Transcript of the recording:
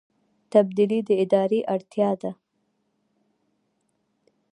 تبدیلي د ادارې اړتیا ده